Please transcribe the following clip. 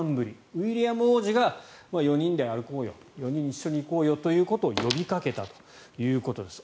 ウィリアム王子が４人で歩こうよ４人一緒に行こうよと呼びかけたということです。